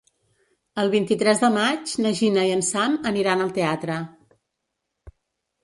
El vint-i-tres de maig na Gina i en Sam aniran al teatre.